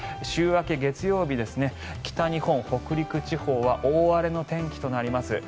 週明け月曜日は北日本、北陸地方は大荒れの天気となります。